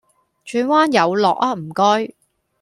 轉彎有落呀唔該